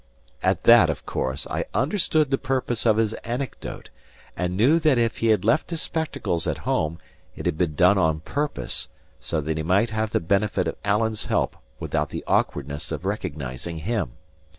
At that, of course, I understood the purpose of his anecdote, and knew that if he had left his spectacles at home, it had been done on purpose, so that he might have the benefit of Alan's help without the awkwardness of recognising him.